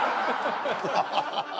ハハハハ！